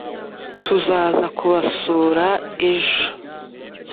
tuzaza kubasura ejo